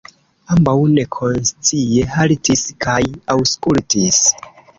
Ambaŭ nekonscie haltis kaj aŭskultis.